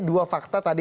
dua fakta tadi